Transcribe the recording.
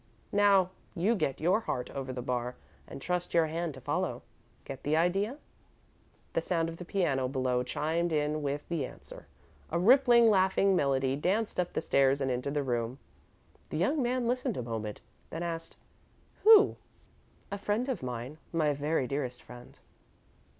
Now you get your heart over the bar, and trust your hand to follow. Get the idea?" The sound of the piano below chimed in with the answer. A rippling, laughing melody danced up the stairs and into the room. The young man listened a moment, then asked, "Who?" "A friend of mine my very dearest friend."